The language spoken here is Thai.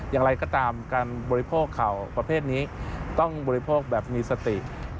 อย่างไรก็ตามการบริโภคข่าวประเภทนี้ต้องบริโภคแบบมีสติ